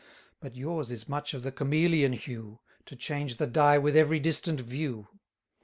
But yours is much of the chameleon hue, To change the dye with every distant view.